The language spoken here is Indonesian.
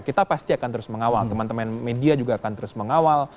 kita pasti akan terus mengawal teman teman media juga akan terus mengawal